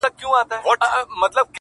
شاعر نه یم زما احساس شاعرانه دی,